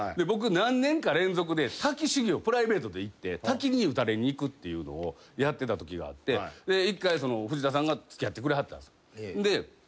僕何年か連続で滝修行プライベートで行って滝に打たれに行くっていうのをやってたときがあって一回藤田さんが付き合ってくれはったんです。